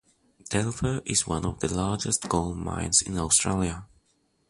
Telfer is one of the largest gold mines in Australia.